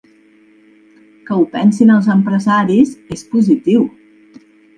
Que ho pensin els empresaris és positiu.